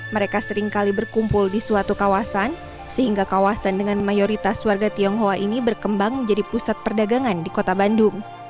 mereka seringkali berkumpul di suatu kawasan sehingga kawasan dengan mayoritas warga tionghoa ini berkembang menjadi pusat perdagangan di kota bandung